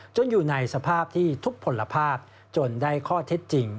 อยู่ในสภาพที่ทุกผลภาพจนได้ข้อเท็จจริง